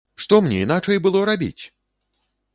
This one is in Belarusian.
Што мне іначай было рабіць!